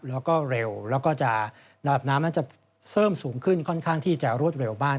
แล้วก็เร็วแล้วก็จะระดับน้ำนั้นจะเพิ่มสูงขึ้นค่อนข้างที่จะรวดเร็วมาก